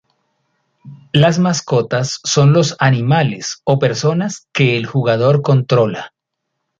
Las mascotas son los animales o personas que el jugador controla.